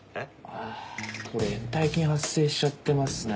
あこれ延滞金発生しちゃってますね。